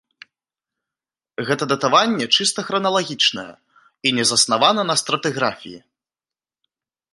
Гэта датаванне чыста храналагічнае і не заснавана на стратыграфіі.